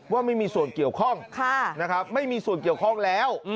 ว่าไม่มีส่วนเกี่ยวข้องไม่มีส่วนเกี่ยวข้องแล้ว